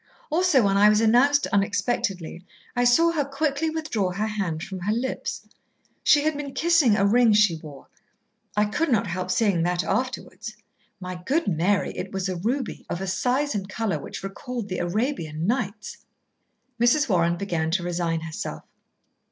Also, when I was announced unexpectedly, I saw her quickly withdraw her hand from her lips. She had been kissing a ring she wore. I could not help seeing that afterwards. My good Mary, it was a ruby, of a size and colour which recalled the Arabian Nights." Mrs. Warren began to resign herself.